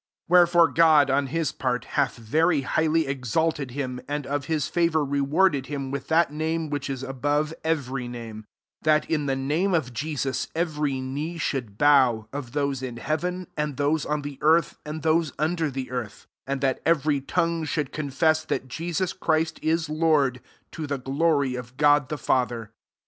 9 Wherefore God, on his party hath very highly exalted him, and of his favour rewarded him with that name which ia above every name: 10 that, in the name of Jesus, every knee should bow, of those in heaven, and ,thos^ on the earth, and those under the earth; 11 and that every tongue should con fess that Jesus Christ is Lord, to the glory of God the Fa ther.